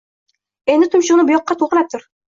– Endi tumshug‘ingni buyoqqa to‘g‘rilab tur